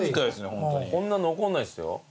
こんな残んないですよ。